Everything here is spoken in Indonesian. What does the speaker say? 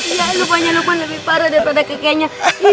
iya lupanya lukman lebih parah daripada kakeknya